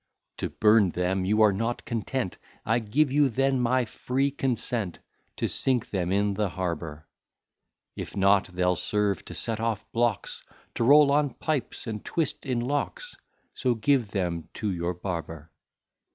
To burn them, you are not content; I give you then my free consent, To sink them in the harbour; If not, they'll serve to set off blocks, To roll on pipes, and twist in locks; So give them to your barber.